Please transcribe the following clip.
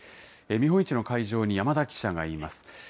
見本市の会場に山田記者がいます。